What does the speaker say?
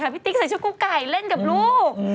ติ๊กใส่ชุดกุ๊กไก่เล่นกับลูก